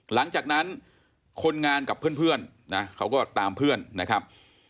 หลังจากนั้นคนงานกับเพื่อนนะเขาก็ตามเพื่อนนะครับ